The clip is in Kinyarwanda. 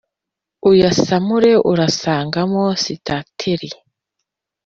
uyasamure urasangamo sitateri